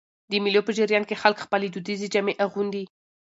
د مېلو په جریان کښي خلک خپلي دودیزي جامې اغوندي.